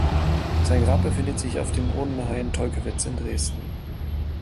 Sein Grab befindet sich auf dem Urnenhain Tolkewitz in Dresden.